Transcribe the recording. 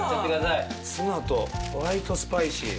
ツナとホワイトスパイシー。